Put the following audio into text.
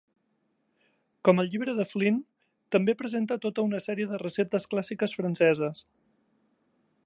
Com el llibre de Flinn, també presenta tota una sèrie de receptes clàssiques franceses.